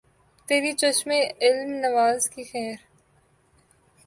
تیری چشم الم نواز کی خیر